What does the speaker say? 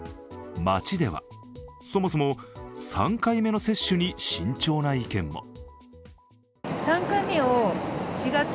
街ではそもそも３回目の接種に慎重な意見も。